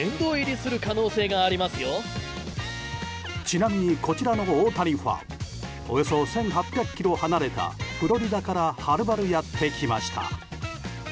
ちなみに、こちらの大谷ファンおよそ１８００ｋｍ離れたフロリダからはるばるやってきました。